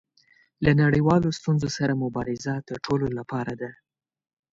له نړیوالو ستونزو سره مبارزه د ټولو لپاره ده.